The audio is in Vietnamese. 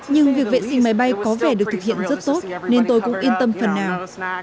nhưng việc vệ sinh máy bay có vẻ được thực hiện rất tốt nên tôi cũng yên tâm phần nào